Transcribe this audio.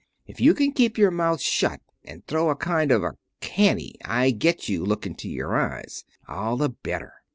If you can keep your mouth shut and throw a kind of a canny, I get you, look into your eyes, all the better.